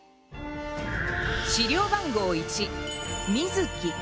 資料番号１水城。